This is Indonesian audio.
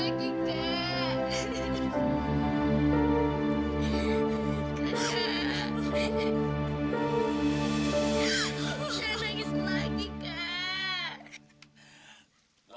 kakak kakak jangan lagi kak